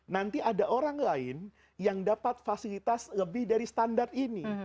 nanti ada orang lain yang dapat fasilitas lebih dari standar ini